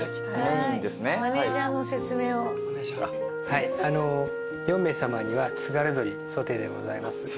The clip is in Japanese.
はい４名さまには津軽鶏ソテーでございます。